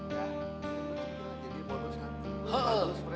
jadi bonus kan